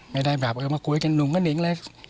ไม่ได้แบบมากลุผิกกับลูกก็นิ่งเล็ก